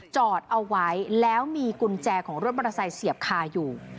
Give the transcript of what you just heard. จอดเอาไว้แล้วมีกุญแจของรถมอเตอร์ไซค์เสียบคาอยู่